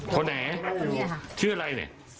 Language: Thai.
เขาเป็นใคร